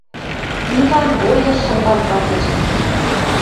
Иван боеш шынгалт вазеш —